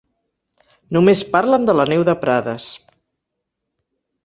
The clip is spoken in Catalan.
Només parlen de la neu de Prades.